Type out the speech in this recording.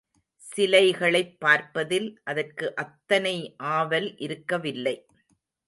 சிலைகளைப் பார்ப்பதில் அதற்கு அத்தனை ஆவல் இருக்கவில்லை.